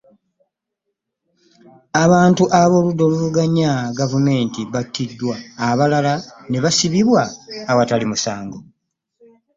abantu ab'oludda oluvuganya govumenti bbatiddwa abalala n'ebasibibwa ewatali musango